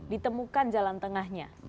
ditemukan jalan tengahnya